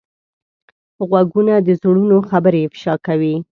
غوږونه د زړونو خبرې افشا کوي